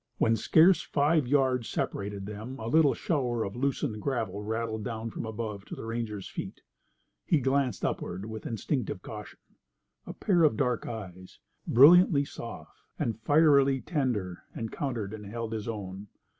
When scarce five yards separated them a little shower of loosened gravel rattled down from above to the ranger's feet. He glanced upward with instinctive caution. A pair of dark eyes, brilliantly soft, and fierily tender, encountered and held his own.